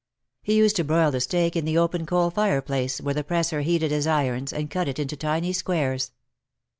He used to broil the steak in the open coal fireplace where the presser heated his irons, and cut it into tiny squares.